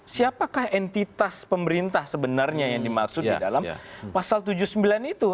siapakah entitas pemerintah sebenarnya yang dimaksud di dalam pasal tujuh puluh sembilan itu